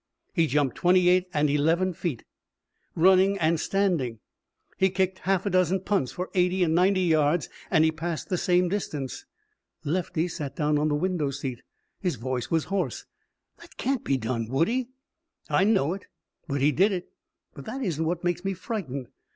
"He jumped twenty eight and eleven feet running and standing. He kicked half a dozen punts for eighty and ninety yards and he passed the same distance." Lefty sat down on the window seat. His voice was hoarse. "That can't be done, Woodie." "I know it. But he did it. But that isn't what makes me frightened.